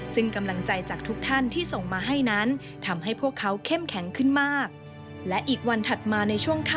ซึ่งกำลังใจจากทุกท่านที่ส่งมาให้นั้น